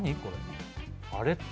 これ。